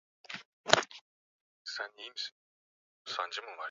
na kwa kutumia bomu mabomba hayo ambayo